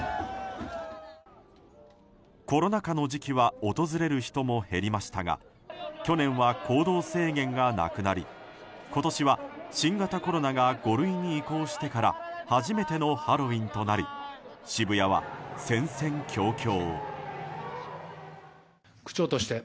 コロナ禍の時期は訪れる人も減りましたが去年は行動制限がなくなり今年は新型コロナが５類に移行してから初めてのハロウィーンとなり渋谷は戦々恐々。